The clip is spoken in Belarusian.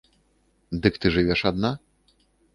Дык ты жывеш адна?